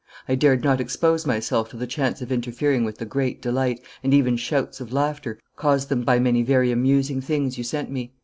I dared not expose myself to the chance of interfering with the great delight, and even shouts of laughter, caused them by many very amusing things you sent me.